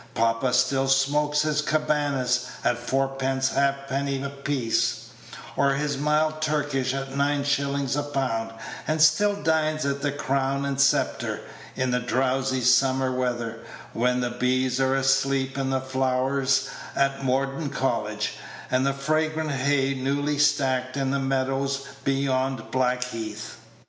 Papa still smokes his Cabanas at fourpence half penny apiece, or his mild Turkish at nine shillings a pound, and still dines at the "Crown and Sceptre" in the drowsy summer weather, when the bees are asleep in the flowers at Morden College, and the fragrant hay newly stacked in the meadows beyond Blackheath.